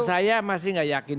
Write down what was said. saya masih gak yakin